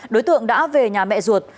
đối tượng đã về nhà mẹ ruột